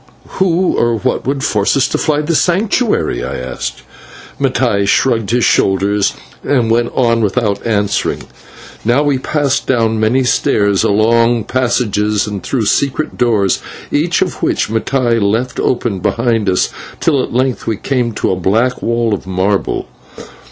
"Who or what could force us to fly the Sanctuary?" I asked. Mattai shrugged his shoulders and went on without answering. Now we passed down many stairs, along passages, and through secret doors, each of which Mattai left open behind us, till at length we came to a blank wall of marble.